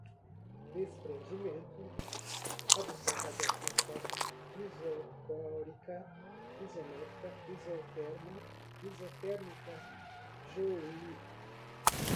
desprendimento, adução, radiação, choque, isocórica, isométrica, isoterma, isotérmica, joule